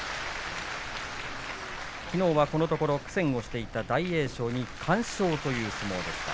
きのうは、このところ苦戦していた大栄翔に完勝という相撲でした。